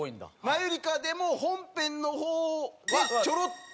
マユリカはでも本編の方はちょろっと？